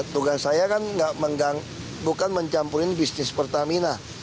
tugas saya kan bukan mencampurin bisnis pertamina